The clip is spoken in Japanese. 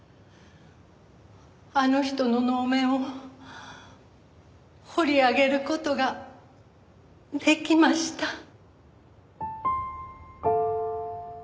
あの人の能面を彫り上げる事ができました。